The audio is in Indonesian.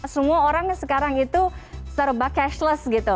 semua orang sekarang itu serba cashless gitu